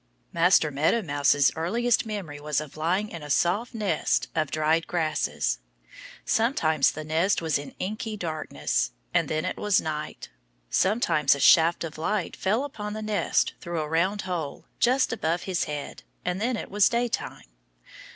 Master Meadow Mouse's earliest memory was of lying in a soft nest of dried grasses. Sometimes the nest was in inky darkness; and then it was night. Sometimes a shaft of light fell upon the nest through a round hole just above his head; and then it was daytime.